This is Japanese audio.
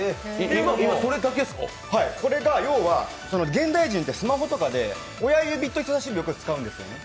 これが要は、現代人ってスマホとかで親指と人差し指を使うんです。